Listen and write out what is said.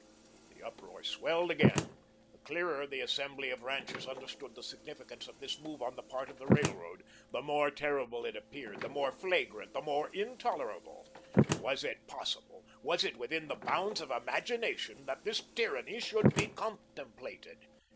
The uproar swelled again. The clearer the assembly of ranchers understood the significance of this move on the part of the Railroad, the more terrible it appeared, the more flagrant, the more intolerable. Was it possible, was it within the bounds of imagination that this tyranny should be contemplated?